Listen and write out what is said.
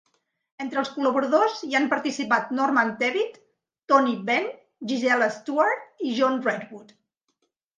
Entre els col·laboradors hi han participat Norman Tebbit, Tony Benn, Gisela Stuart i John Redwood.